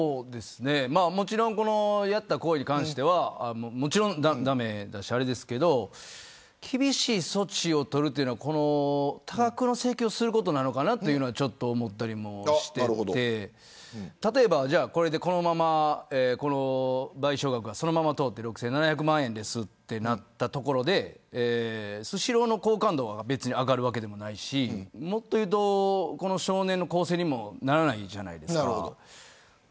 もちろんやった行為に関しては駄目ですけど厳しい措置を取るというのは多額の請求をすることなのかなと思ったりもしていて例えば、このまま賠償額が通って６７００万円ですとなったところでスシローの好感度が上がるわけでもないしもっと言うとこの少年の更生にもならないじゃないですか。